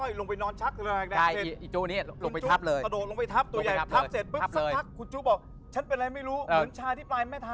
อีไววิ่งไปแล้วพออีกช่ายนี้คุณว่ามันเป็นผี